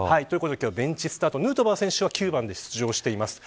ベンチスタートヌートバー選手は９番で出場しています。